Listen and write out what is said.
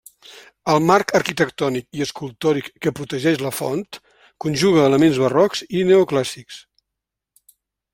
El marc arquitectònic i escultòric que protegeix la font conjuga elements barrocs i neoclàssics.